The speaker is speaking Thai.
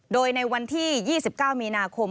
โดยในวันที่๒๙มีนาคม